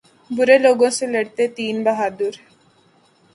برے لوگوں سے لڑتے تین بہادر